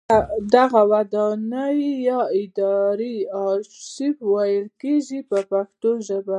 دغه ودانۍ یا ادارې ارشیف ویل کیږي په پښتو ژبه.